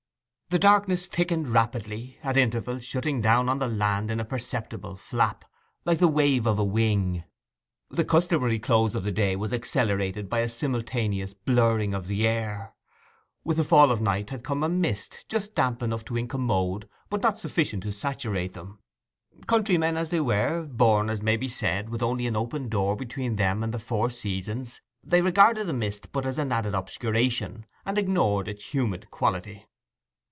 The darkness thickened rapidly, at intervals shutting down on the land in a perceptible flap, like the wave of a wing. The customary close of day was accelerated by a simultaneous blurring of the air. With the fall of night had come a mist just damp enough to incommode, but not sufficient to saturate them. Countrymen as they were—born, as may be said, with only an open door between them and the four seasons—they regarded the mist but as an added obscuration, and ignored its humid quality.